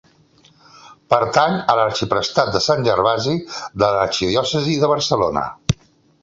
Pertany a l'arxiprestat de Sant Gervasi de l'Arxidiòcesi de Barcelona.